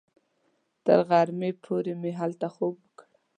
تر غرمې پورې مو هلته خوب وکړ.